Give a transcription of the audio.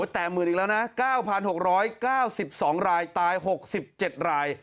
แต่หมื่นอีกแล้วนะ๙๖๙๒รายตาย๖๗ราย